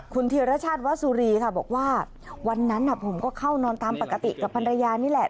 คุณธีรชาติวสุรีค่ะบอกว่าวันนั้นผมก็เข้านอนตามปกติกับภรรยานี่แหละ